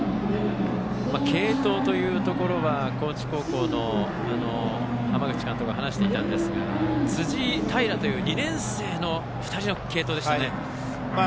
継投というところは高知高校の浜口監督は話していましたが辻井、平という２年生の２人の継投でしたね。